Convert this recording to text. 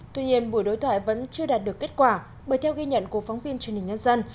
tuy nhiên buổi đối thoại vẫn chưa đạt được kết quả bởi theo ghi nhận của phóng viên truyền hình nhân dân